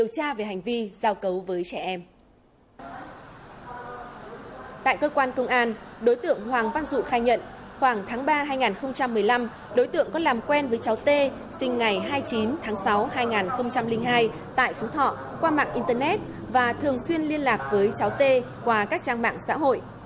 cháu t sinh ngày hai mươi chín tháng sáu hai nghìn hai tại phú thọ qua mạng internet và thường xuyên liên lạc với cháu t qua các trang mạng xã hội